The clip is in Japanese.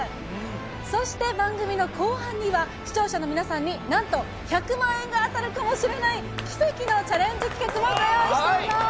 そして番組の後半には視聴者の皆さんに、なんと１００万円が当たるかも知れない奇跡のチャレンジ企画もご用意しております。